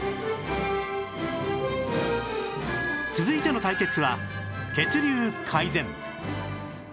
続いての対決は血流改善